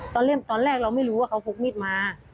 ตอนเริ่มตอนแรกเราไม่รู้ว่าเขาพพลุกมีดมา